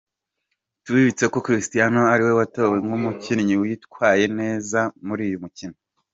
Tubibutse ko Christiano ariwe watowe nk’umukinnyi witwaye neza muri uyu mukino.